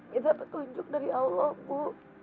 kita terkunjuk dari allah ibu